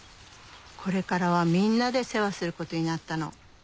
これからはみんなで世話することになったの。